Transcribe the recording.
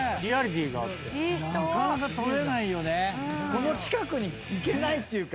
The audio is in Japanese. この近くに行けないっていうか。